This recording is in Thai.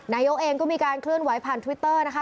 นายกเองก็มีการเคลื่อนไหวผ่านทวิตเตอร์นะคะ